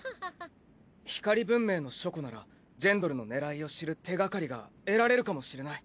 光文明の書庫ならジェンドルの狙いを知る手がかりが得られるかもしれない。